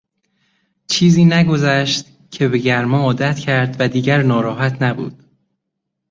چیزی نگذشت که به گرما عادت کرد و دیگر ناراحت نبود.